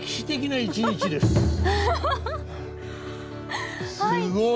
すごい！